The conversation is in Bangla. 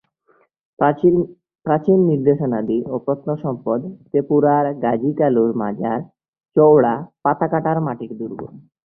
প্রাচীন নিদর্শনাদি ও প্রত্নসম্পদ তেপুরার গাজী কালুর মাযার, চাওড়া পাতাকাটার মাটির দুর্গ।